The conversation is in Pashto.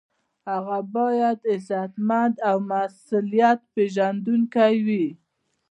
هغه باید عزتمند او مسؤلیت پیژندونکی وي.